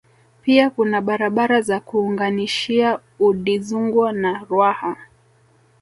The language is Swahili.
Pia kuna barabara za kuunganishia Udizungwa na Ruaha